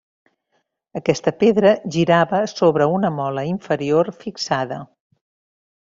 Aquesta pedra girava sobre una mola inferior fixada.